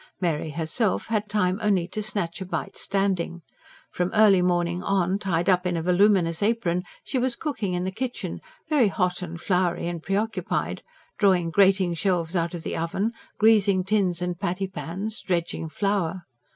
Mary herself had time only to snatch a bite standing. From early morning on, tied up in a voluminous apron, she was cooking in the kitchen, very hot and floury and preoccupied, drawing grating shelves out of the oven, greasing tins and patty pans, dredging flour.